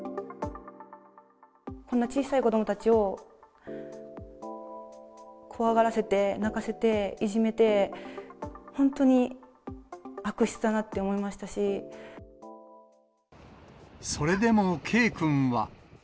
こんな小さい子どもたちを怖がらせて、泣かせて、いじめて、それでもＫくんは。